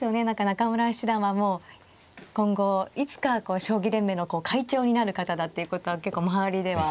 中村七段はもう今後いつか将棋連盟の会長になる方だっていうことは結構周りでは。